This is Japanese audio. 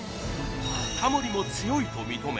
タモリも強いと認め